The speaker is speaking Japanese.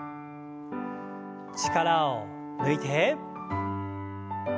力を抜いて。